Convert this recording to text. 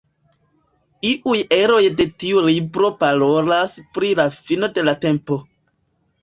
Iuj eroj de tiu libro parolas pri la fino de la tempo.